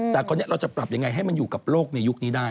แต่คราวนี้เราจะปรับยังไงให้มันอยู่กับโลกในยุคนี้ได้